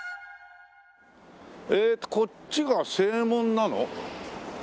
えっとこっちが正門なの？